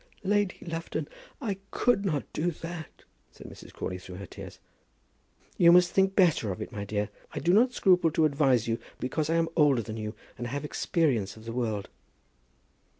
"Lady Lufton, I could not do that," said Mrs. Crawley through her tears. "You must think better of it, my dear. I do not scruple to advise you, because I am older than you, and have experience of the world."